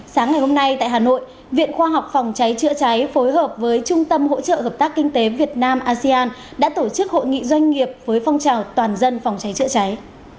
sáng ngày hôm nay tại hà nội viện khoa học phòng cháy chữa cháy phối hợp với trung tâm hỗ trợ hợp tác kinh tế việt nam asean đã tổ chức hội nghị doanh nghiệp với phong trào toàn dân phòng cháy chữa cháy